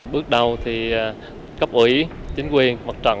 bước đầu thì cấp ủy chính quyền mặt trận